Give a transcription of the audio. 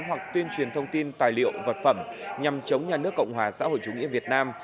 hoặc tuyên truyền thông tin tài liệu vật phẩm nhằm chống nhà nước cộng hòa xã hội chủ nghĩa việt nam